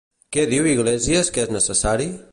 Què diu Iglesias que és necessari?